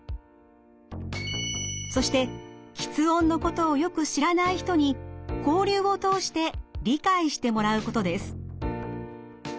そして吃音のことをよく知らない人に交流を通して理解してもらうことです。